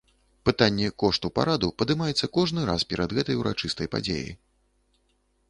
Пытанне кошту параду падымаецца кожны раз перад гэтай урачыстай падзеяй.